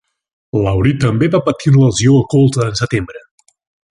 Lowry també va patir una lesió al colze en setembre.